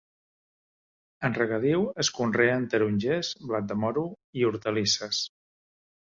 En regadiu es conreen tarongers, blat de moro i hortalisses.